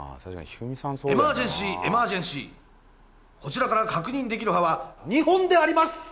エマージェンシーエマージェンシーこちらから確認できる歯は２本であります